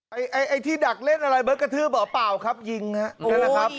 ไอไอไอที่ดักเล่นอะไรเบิ้ลกระทืบเหรอเปล่าครับยิงน่ะ